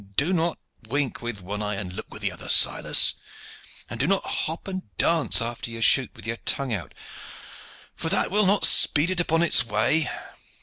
Do not wink with one eye and look with the other, Silas, and do not hop and dance after you shoot, with your tongue out, for that will not speed it upon its way.